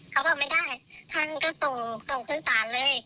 เขาบอกไม่ได้ท่านก็ส่งส่งขึ้นศาลเลย